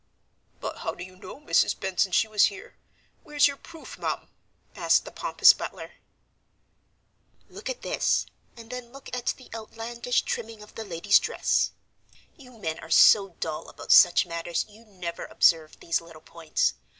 "But how do you know, Mrs. Benson, she was here? Where's your proof, mum?" asked the pompous butler. "Look at this, and then look at the outlandish trimming of the lady's dress. You men are so dull about such matters you'd never observe these little points.